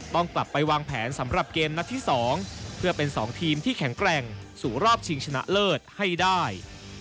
ต้องกลับไปวางแผนสำหรับเกมนัดที่๒เพื่อเป็น๒ทีมที่แข็งแกร่งสู่รอบชิงชนะเลิศให้ได้